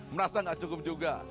merasa nggak cukup juga